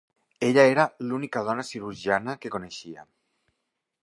Ella era l"única dona cirurgiana que coneixia.